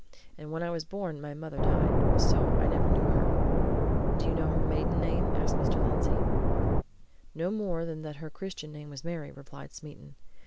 And when I was born, my mother died. So I never saw her." "Do you know her maiden name?" asked Mr. Lindsey. "No more than that her Christian name was Mary," replied Smeaton.